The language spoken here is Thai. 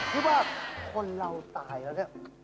ที่ว่าคนเราตายแล้วเนี่ย